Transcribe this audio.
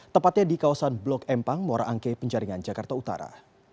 tepatnya di kawasan blok empang moraangke penjaringan jakarta utara